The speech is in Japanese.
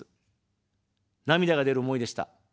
涙が出る思いでした。